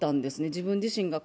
自分自身が。